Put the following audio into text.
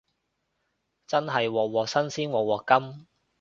真係鑊鑊新鮮鑊鑊甘